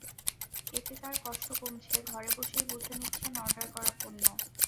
এতে তাঁর কষ্ট কমছে, ঘরে বসেই বুঝে নিচ্ছেন অর্ডার করা পণ্য।